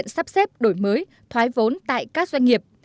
sắp xếp đổi mới thoái vốn tại các doanh nghiệp